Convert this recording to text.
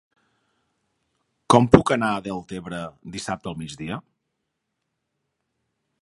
Com puc anar a Deltebre dissabte al migdia?